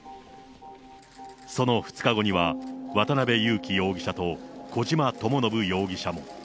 その２日後には、渡辺優樹容疑者と小島智信容疑者も。